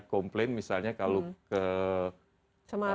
komplain misalnya kalau ke